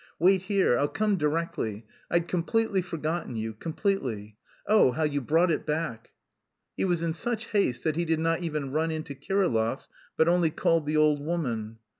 "Wait here, I'll come directly, I'd completely forgotten you, completely! Oh, how you brought it back!" He was in such haste that he did not even run in to Kirillov's, but only called the old woman.